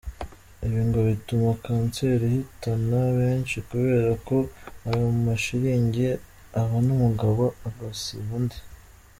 Ibi ngo bituma kanseri ihitana benshi kubera ko ayo mashilingi abona umugabo agasiba undi.